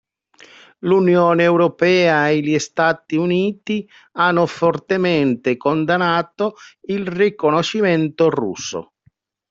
L'Unione Europea e gli Stati Uniti hanno fortemente condannato il riconoscimento russo.